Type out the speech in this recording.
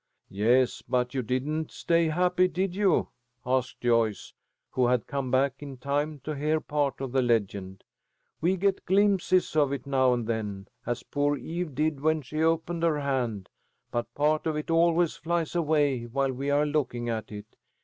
"Yes, but you didn't stay happy, did you?" asked Joyce, who had come back in time to hear part of the legend. "We get glimpses of it now and then, as poor Eve did when she opened her hand, but part of it always flies away while we are looking at it.